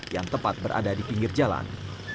yang tepat berada di pinggir jalan